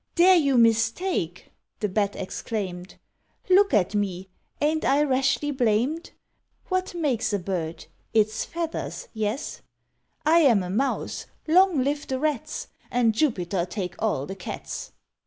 "There you mistake," the Bat exclaimed; "Look at me, ain[']t I rashly blamed? What makes a bird? its feathers? yes. I am a mouse long live the rats, And Jupiter take all the cats."